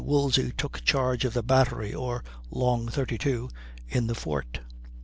Woolsey took charge of the "battery," or long 32, in the fort.